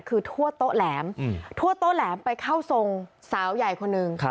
คือทั่วโต๊ะแหลมทั่วโต๊แหลมไปเข้าทรงสาวใหญ่คนหนึ่ง